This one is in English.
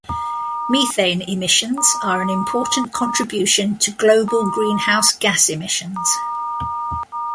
Methane emissions are an important contribution to global greenhouse gas emissions.